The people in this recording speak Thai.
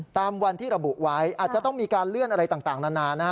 ตามวันที่ระบุไว้อาจจะต้องมีการเลื่อนอะไรต่างนานานะฮะ